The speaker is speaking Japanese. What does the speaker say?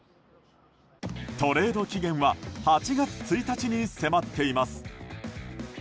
トレード期限は８月１日に迫っています。